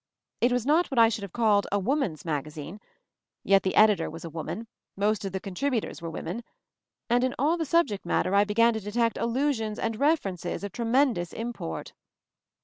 It was not what I should have called "a woman's magazine," yet the editor was a woman, most of the contributors were women, and in all the subject matter I began to detect allu sions and references of tremendous import.